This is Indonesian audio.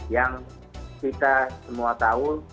yang kita semua tahu